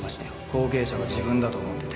後継者は自分だと思ってて